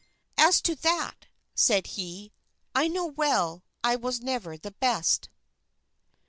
"As to that," said he, "I know well I was never the best."